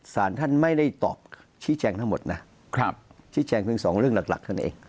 สารท่านไม่ได้ตอบชิ้นแจงทั้งหมดชิ้นแจงคือ๒เรื่องหลักทั้งเอง